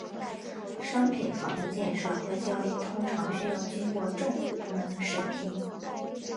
商品房的建设和交易通常需要经过政府部门的审批。